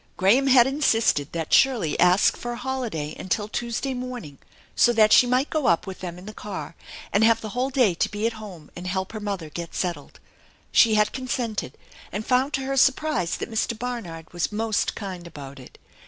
Graham had insisted that Shirley ask for a holiday until Tuesday morning so that she might go up with them in the car, and have the whole day to be at home and help her mother get settled. She had consented, and found to her surprise that Mr. Barnard was most kind about it.